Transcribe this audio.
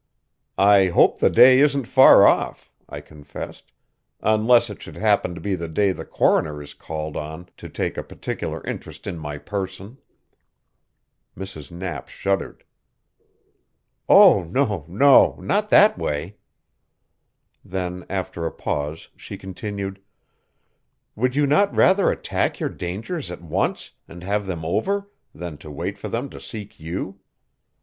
"I hope the day isn't far off," I confessed, "unless it should happen to be the day the coroner is called on to take a particular interest in my person." Mrs. Knapp shuddered. "Oh no, no not that way." Then after a pause, she continued: "Would you not rather attack your dangers at once, and have them over, than to wait for them to seek you?"